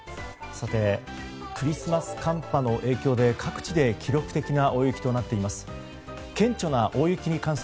クリスマス寒波の影響で各地で記録的な大雪となっています。